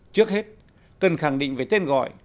trước hết cần khẳng định về tên gọi